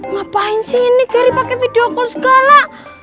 ngapain sih ini pakai video call segala